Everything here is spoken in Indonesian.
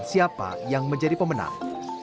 siapa yang menjadi pemenang